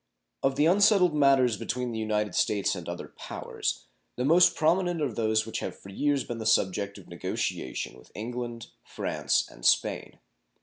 Of the unsettled matters between the United States and other powers, the most prominent are those which have for years been the subject of negotiation with England, France, and Spain.